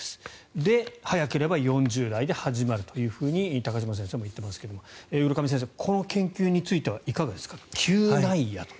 で、早ければ４０代で始まると高島先生も言っていますが浦上先生、この研究についてはいかがですか、嗅内野。